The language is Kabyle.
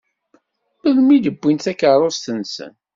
Melmi i wwint takeṛṛust-nsen?